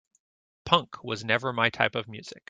Punk was never my type of music.